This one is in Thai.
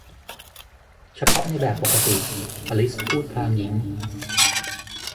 เฉพาะในแบบปกติ อลิสพูดพลางยิ้ม